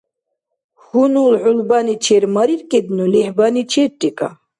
Хьунул хӀулбани чермариркӀидну, лихӀбани черрикӀа.